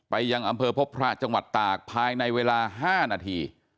ยังอำเภอพบพระจังหวัดตากภายในเวลา๕นาที